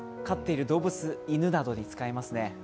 飼っている動物、犬などに使いますね。